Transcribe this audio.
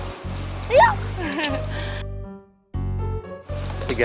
tiga ratus bisa bikin tambah cantik ya